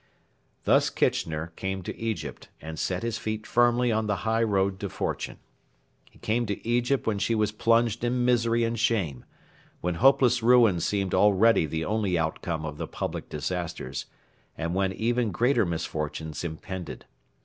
Thus Kitchener came to Egypt and set his feet firmly on the high road to fortune. He came to Egypt when she was plunged in misery and shame, when hopeless ruin seemed already the only outcome of the public disasters, and when even greater misfortunes impended.